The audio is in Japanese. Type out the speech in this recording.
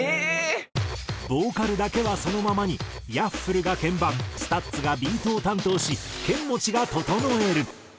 ボーカルだけはそのままにＹａｆｆｌｅが鍵盤ＳＴＵＴＳがビートを担当しケンモチが整える。